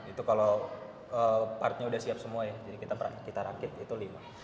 itu kalau partnya sudah siap semua ya jadi kita rakit itu lima